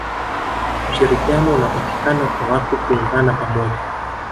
ushirikiano unapatikana kwa watu kuungana pamoja